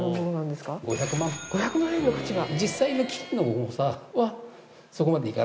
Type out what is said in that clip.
５００万円の価値が。